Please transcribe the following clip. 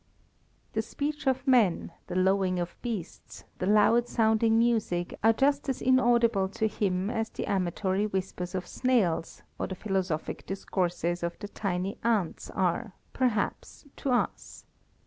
The speech of men, the lowing of beasts, the loud sounding music are just as inaudible to him as the amatory whispers of snails, or the philosophic discourses of the tiny ants are, perhaps, to us.